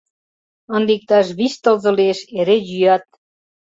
Ынде иктаж вич тылзе лиеш, эре йӱат.